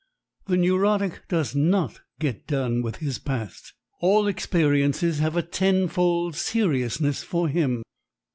The neurotic does not get done with his past. All experiences have a tenfold seriousness for him.